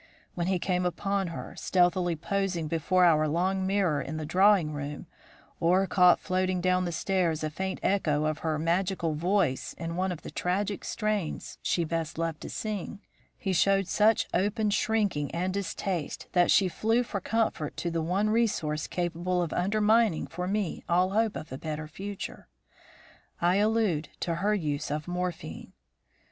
When he came upon her, stealthily posing before our long mirror in the drawing room, or caught floating down the stairs a faint echo of her magical voice in one of the tragic strains she best loved to sing, he showed such open shrinking and distaste that she flew for comfort to the one resource capable of undermining for me all hope of a better future. I allude to her use of morphine.